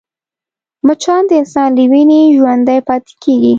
مچان د انسان له وینې ژوندی پاتې کېږي